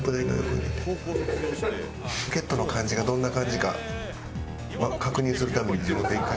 ポケットの感じがどんな感じか確認するために自分で１回。